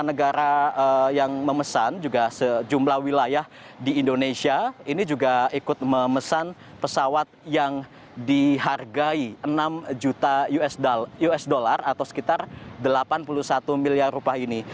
negara yang memesan juga sejumlah wilayah di indonesia ini juga ikut memesan pesawat yang dihargai enam juta usd atau sekitar delapan puluh satu miliar rupiah ini